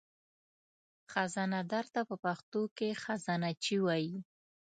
خزانهدار ته په پښتو کې خزانهچي وایي.